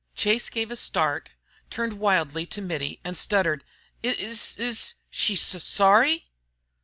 Chase gave a start, turned wildly to Mittie, and stuttered, "Is s s she s sorry?"